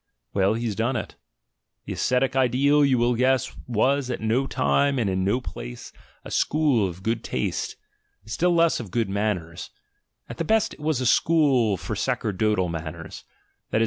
Well, he's done it. The ascetic ideal, you will gui at no time and in no place, a school of good of good manners — at the best it was a school lor sacerdotal manners: that is.